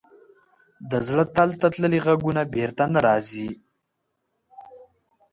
د زړه تل ته تللي ږغونه بېرته نه راځي.